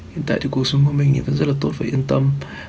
hiện tại thì cuộc sống của mình vẫn rất là tốt và yên tâm